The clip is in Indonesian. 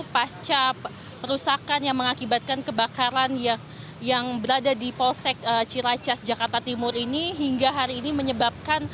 pasca perusahaan yang mengakibatkan kebakaran yang berada di polsek ciracas jakarta timur ini hingga hari ini menyebabkan